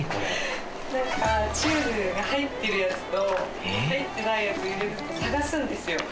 ちゅるが入ってるやつと入ってないやつ入れると探すんですよ。